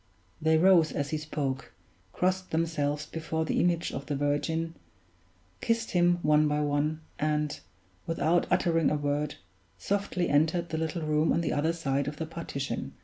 They rose as he spoke, crossed themselves before the image of the Virgin, kissed him one by one, and, without uttering a word, softly entered the little room on the other side of the partition.